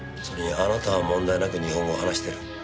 それにあなたは問題なく日本語を話している。